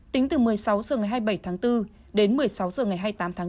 tính từ một mươi sáu h ngày hai mươi bảy tháng bốn đến một mươi sáu h ngày hai mươi tám tháng bốn